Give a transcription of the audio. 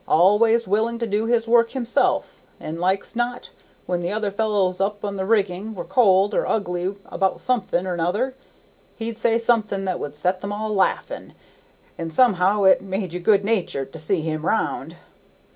"Always willin' to do his work himself, and like's not when the other fellows up the rigging were cold, or ugly about something or 'nother, he'd say something that would set them all laughing, and somehow it made you good natured to see him round.